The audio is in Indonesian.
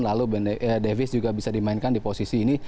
lalu davis juga bisa dimainkan di posisi ini